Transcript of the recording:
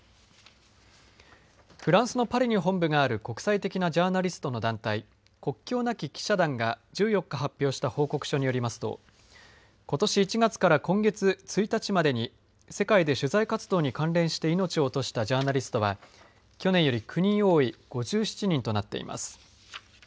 フランスのパリに本部がある国際的なジャーナリストの団体、国境なき記者団が１４日、発表した報告書によりますとことし１月から今月１日までに世界で取材活動に関連して命を落としたジャーナリストは去年より９人多い５７人となっています。